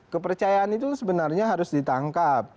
kepercayaan itu sebenarnya harus ditangkap